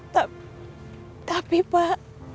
tapi tapi pak